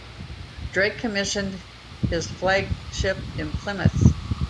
Drake commissioned his flagship in Plymouth.